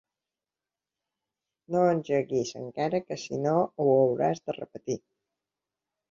No engeguis encara que si no ho hauràs de repetir.